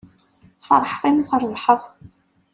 Ferḥeɣ imi trebḥeḍ.